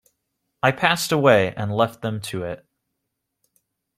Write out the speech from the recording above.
I passed away and left them to it.